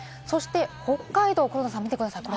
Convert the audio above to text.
北海道、黒田さん、見てください。